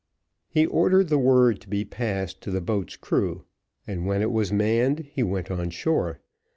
He ordered the word to be passed to the boat's crew, and when it was manned he went on shore.